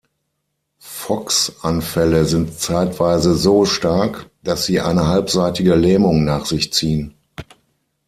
Fox’ Anfälle sind zeitweise so stark, dass sie eine halbseitige Lähmung nach sich ziehen.